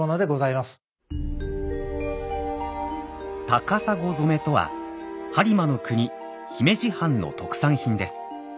「高砂染」とは播磨国姫路藩の特産品です。